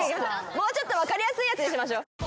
もうちょっと分かりやすいやつにしましょう。